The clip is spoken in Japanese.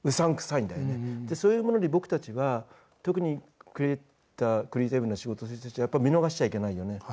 そういうものに僕たちは特にクリエーティブな仕事してる人たちはやっぱ見逃しちゃいけないよね。